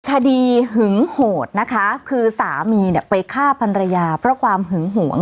หึงโหดนะคะคือสามีเนี่ยไปฆ่าพันรยาเพราะความหึงหวง